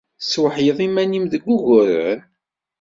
Tesweḥled iman-nnem deg wuguren?